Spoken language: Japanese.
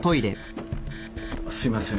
すいません。